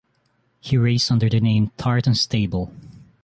He raced under the name Tartan Stable.